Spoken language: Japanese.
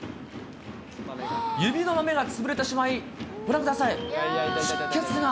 指のまめが潰れてしまい、ご覧ください、出血が。